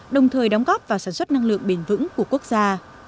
đồng thời đóng góp vào sản xuất năng lượng bền vững của quốc gia